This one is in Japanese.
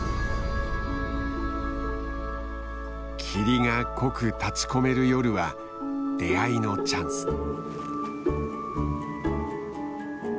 霧が濃く立ちこめる夜は出会いのチャンス。